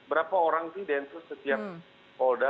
berapa orang sih densus setiap polda